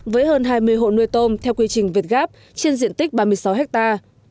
với hơn hai mươi hộ nuôi tôm theo quy trình việt gáp trên diện tích ba mươi sáu hectare